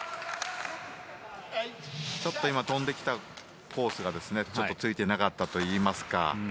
ちょっと飛んできたコースがついていなかったと言いますか。